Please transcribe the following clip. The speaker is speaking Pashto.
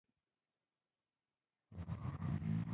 رابرټ مخ تېز وڅرخوه.